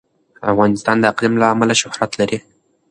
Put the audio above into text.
افغانستان د اقلیم له امله شهرت لري.